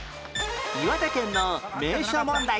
岩手県の名所問題